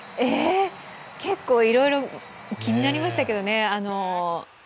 結構いろいろ、気になりましたけどね。